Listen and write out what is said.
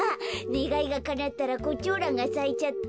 ねがいがかなったらコチョウランがさいちゃった。